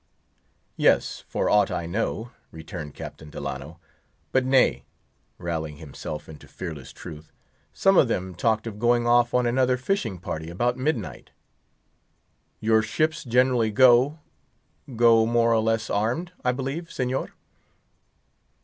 "Yes, for aught I know," returned Captain Delano—"but nay," rallying himself into fearless truth, "some of them talked of going off on another fishing party about midnight." "Your ships generally go—go more or less armed, I believe, Señor?"